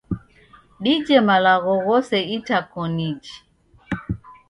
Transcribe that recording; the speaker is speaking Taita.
Dije malagho ghose itakoniji.